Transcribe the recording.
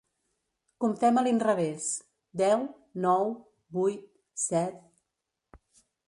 Comptem a l'inrevés: deu, nou, vuit, set...